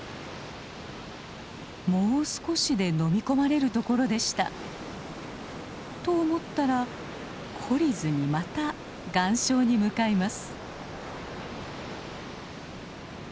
もう少しでのみ込まれるところでした。と思ったら懲りずにまた岩礁に向かいます。